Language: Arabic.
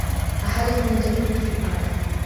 أحدهم ينتظرك في الأعلى.